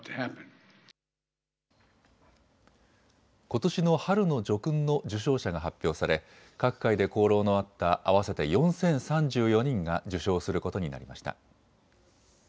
ことしの春の叙勲の受章者が発表され各界で功労のあった合わせて４０３４人が受章することになりました。